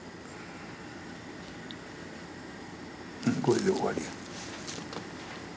これで終わりや。